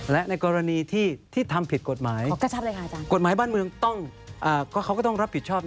และในกรณีที่ทำผิดกฎหมายกฎหมายบ้านเมืองต้องเขาก็ต้องรับผิดชอบ